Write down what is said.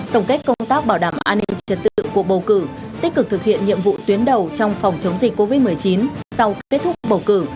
tổng kết công tác bảo đảm an ninh trật tự cuộc bầu cử tích cực thực hiện nhiệm vụ tuyến đầu trong phòng chống dịch covid một mươi chín sau kết thúc bầu cử